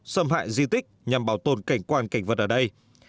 xâm hại di tích nhằm bảo tồn cảnh quan cảnh vật ở đây